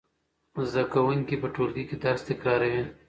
زده کوونکي په ټولګي کې درس تکراروي.